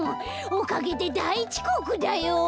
おかげでだいちこくだよ。